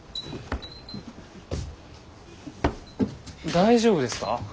大丈夫ですか？